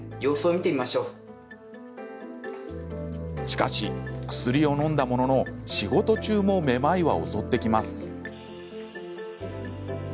しかし、薬をのんだものの仕事中もめまいは襲ってきます。